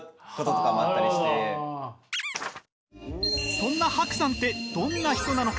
そんなＨＡＫＵさんってどんな人なのか？